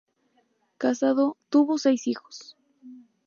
Casado, tuvo seis hijos.